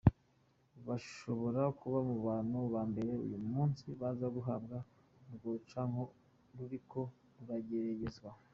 Bashobora kuba mu bantu ba mbere uyu musi baza guhabwa urwo rucanco ruriko rurageragezwa.